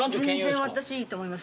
全然私いいと思います。